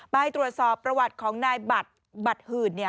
ไปตรวจสอบประวัติของนายบัตรบัตรหื่น